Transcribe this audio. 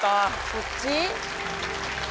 そっち？